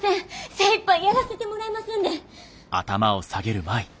精いっぱいやらせてもらいますんで。